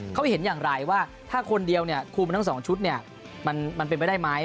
เขาเห็นอย่างไรว่าถ้าคนเดียวเนี่ยคุมทั้ง๒ชุดเนี่ยมันเป็นไปได้ไหม